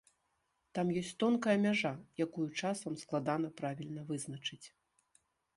Там ёсць тонкая мяжа, якую часам складана правільна вызначыць.